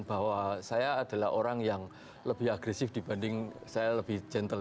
bahwa saya adalah orang yang lebih agresif dibanding saya lebih gentle